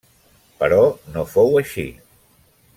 Però no fou així.